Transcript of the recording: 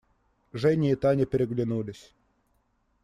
Женя и Таня переглянулись.